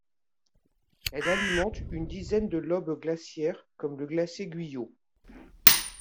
Elle alimente une dizaine de lobes glaciaires comme le glacier Guyot.